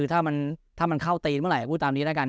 คือถ้ามันเข้าตีนเมื่อไหร่พูดตามนี้แล้วกัน